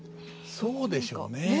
そうでしょうね。